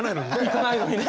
行かないのにね。